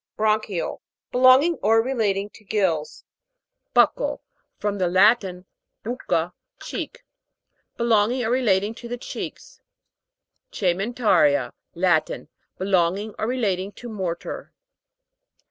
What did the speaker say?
BRANCHIAL. Belonging or relating to gills, BUC'CAL. From the Latin, bvcoa, cheek. Belonging or relating to the cheeks, C^EMENTA'RIA. Latin. Belonging or relating to mortar.